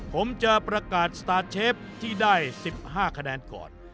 ผมจะประกาศสตาร์ทเชฟที่ได้๑๕คะแนนก่อน